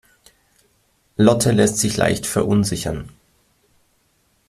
Lotte lässt sich leicht verunsichern.